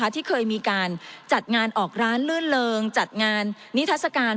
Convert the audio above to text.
ที่เคยมีการจัดงานออกร้านลื่นเริงจัดงานนิทัศกาล